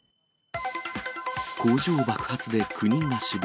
工場爆発で９人が死亡。